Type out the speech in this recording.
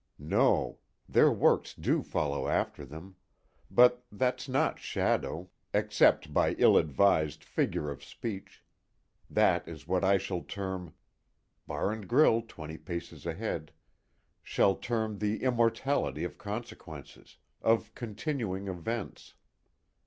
_ _No. 'Their works do follow after them'; but that's not shadow, except by ill advised figure of speech. That is what I shall term (BAR AND GRILL twenty paces ahead) shall term the immortality of consequences, of continuing events.